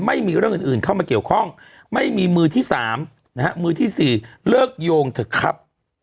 ไม่มีเรื่องอื่นเข้ามาเกี่ยวข้องไม่มีมือที่๓นะฮะมือที่๔เลิกโยงเถอะครับ